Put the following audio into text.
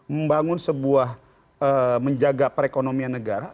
membangun sebuah menjaga perekonomian negara